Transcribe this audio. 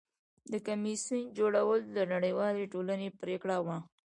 د کمیسیون جوړول د نړیوالې ټولنې پریکړه وه.